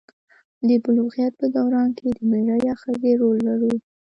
د بلوغیت په دوران کې د میړه یا ښځې رول لرو.